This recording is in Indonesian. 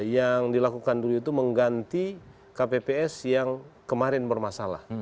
yang dilakukan dulu itu mengganti kpps yang kemarin bermasalah